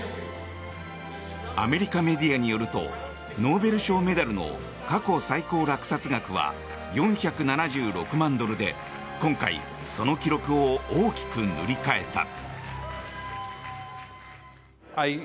アメリカメディアによるとノーベル賞メダルの過去最高落札額は４７６万ドルで今回、その記録を大きく塗り替えた。